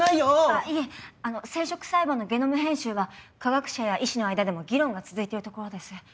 あっいえ生殖細胞のゲノム編集は科学者や医師の間でも議論が続いているところです。